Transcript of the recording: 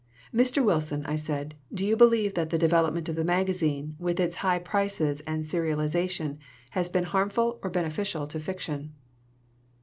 "Mr. Wilson," I said, "do you believe that the 105 LITERATURE IN THE MAKING development of the magazine, with its high prices and serialization, has been harmful or beneficial to fiction?"